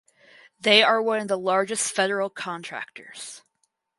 They are one of the largest federal contractors.